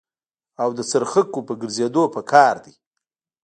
او د څرخکو په ګرځېدو په قار دي.